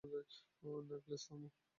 Knuckles, থামো।